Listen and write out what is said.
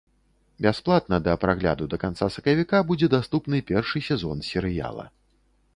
Бясплатна да прагляду да канца сакавіка будзе даступны першы сезон серыяла.